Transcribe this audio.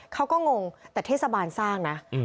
เขาก็งงแต่เทศบาลสร้างนะอืม